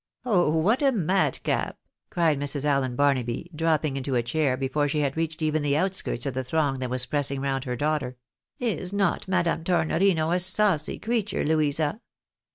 " Oh what a madcap !" cried Mrs. Allen Barnaby, dropping into a chair before she had reached even the outskirts of the throng that was pressing round her daughter. " Is not Madame Tornorino a saucy creature, Louisa?